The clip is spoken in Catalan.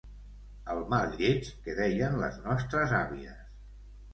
El mal lleig, que deien les nostres àvies.